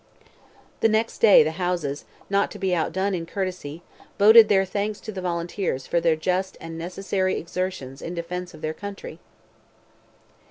The next day, the Houses, not to be outdone in courtesy, voted their thanks to the volunteers for "their just and necessary exertions in defence of their country!"